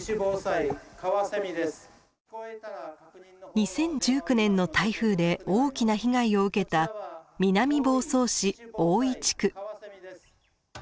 ２０１９年の台風で大きな被害を受けた南房総市大井地区。